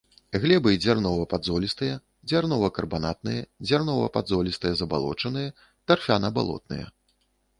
Глебы дзярнова-падзолістыя, дзярнова-карбанатныя, дзярнова-падзолістыя забалочаныя, тарфяна-балотныя.